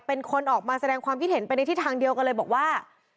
เป็นคนออกมาแสดงความคิดเห็นไปในทิศทางเดียวกันเลยบอกว่า